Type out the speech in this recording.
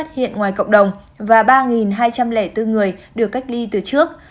hiện ngoài cộng đồng và ba hai trăm linh bốn người được cách ly từ trước